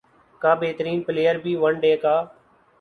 کا بہترین پلئیر بھی ون ڈے کا